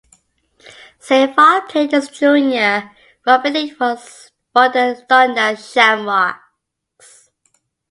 Seyfarth played his junior rugby league for the Dundas Shamrocks.